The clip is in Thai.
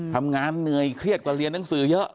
ทำงานเหนื่อยเครียดกว่าเรียนหนังสือเยอะ